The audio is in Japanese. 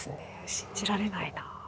信じられないな。